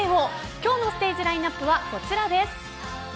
今日のステージラインアップはこちらです。